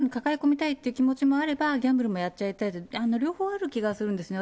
自分のところに抱え込みたいという気持ちもあれば、ギャンブルもやっちゃいたいと、両方、ある気がするんですね。